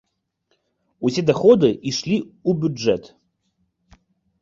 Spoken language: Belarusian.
Усе даходы ішлі ў бюджэт.